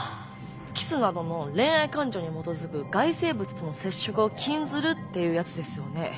キスなどの恋愛感情に基づく外生物との接触を禁ずるっていうやつですよね。